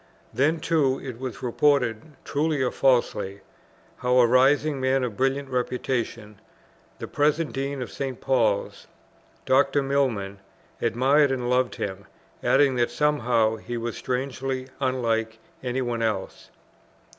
Then too it was reported, truly or falsely, how a rising man of brilliant reputation, the present Dean of St. Paul's, Dr. Milman, admired and loved him, adding, that somehow he was strangely unlike any one else.